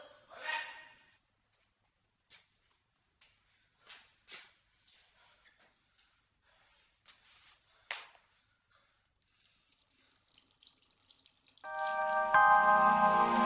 lu mau ngapasih lu